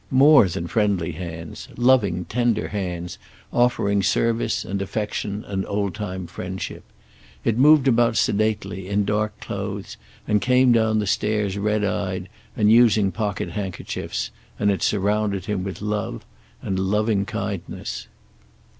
More than friendly hands. Loving, tender hands, offering service and affection and old time friendship. It moved about sedately, in dark clothes, and came down the stairs red eyed and using pocket hand kerchiefs, and it surrounded him with love and loving kindness.